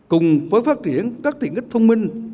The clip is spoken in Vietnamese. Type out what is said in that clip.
cùng với phát triển các tiện ích thông minh